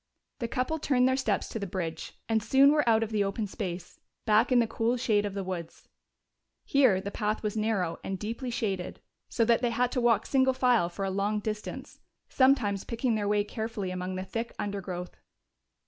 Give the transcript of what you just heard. The couple turned their steps to the bridge and soon were out of the open space, back in the cool shade of the woods. Here the path was narrow and deeply shaded, so that they had to walk single file for a long distance, sometimes picking their way carefully among the thick undergrowth.